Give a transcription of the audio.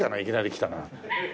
いきなり来たら。